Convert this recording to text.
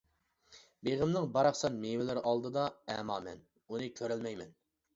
بېغىمنىڭ باراقسان مېۋىلىرى ئالدىدا ئەما مەن، ئۇنى كۆرەلمەيمەن.